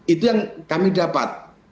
itu yang kami dapat